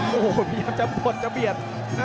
พี่ชายจะหมดจะเบียด